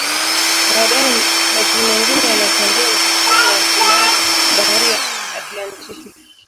Baadaye, maji mengine yanachangia mto Kongo na hatimaye Bahari ya Atlantiki.